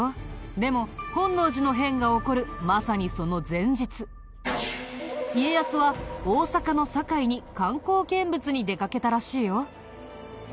でも本能寺の変が起こるまさにその前日家康は大坂の堺に観光見物に出かけたらしいよ。